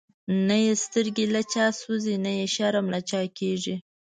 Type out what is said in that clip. نه یی سترګی له چا سوځی، نه یی شرم له چا کیږی